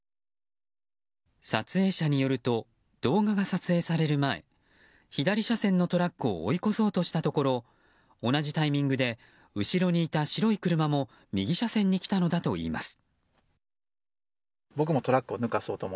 撮影者によると動画が撮影される前左車線のトラックを追い越そうとしたところ同じタイミングで後ろにいた白い車も右車線に来たのだといいます。